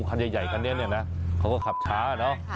เขาด่วงใหญ่คันนี้เขาก็ขับช้า